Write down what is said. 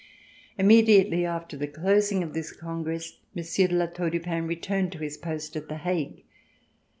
Immediately after the closing of this Congress, Monsieur de La Tour du Pin re turned to his post at The Hague.